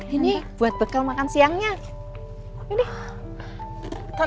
ini buat bekal makan siangnya